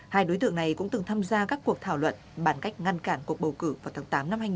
hai đối tượng này cũng từng tham gia các cuộc thảo luận bàn cách ngăn cản cuộc bầu cử vào tháng tám năm hai nghìn hai mươi